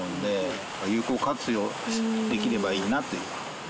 有効活用できればいいなって。